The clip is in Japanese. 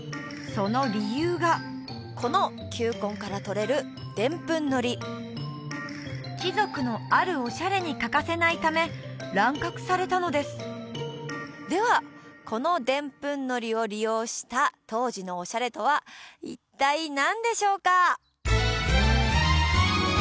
その理由がこの球根からとれるでんぷんのり貴族のあるオシャレに欠かせないため乱獲されたのですではこのでんぷんのりを利用した当時のオシャレとは一体何でしょうか？